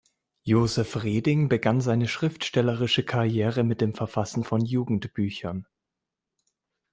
Josef Reding begann seine schriftstellerische Karriere mit dem Verfassen von Jugendbüchern.